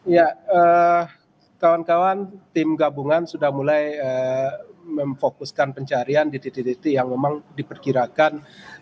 ya kawan kawan tim gabungan sudah mulai memfokuskan pencarian di titik titik yang memang diperkirakan